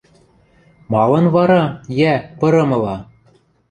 Малын вара, йӓ, пырымыла?